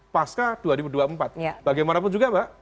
pasca dua ribu dua puluh empat bagaimanapun juga mbak